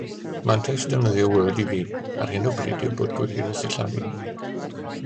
Mantais defnyddio Word i fi ar hyn o bryd yw bod gwirydd sillafu ynddo.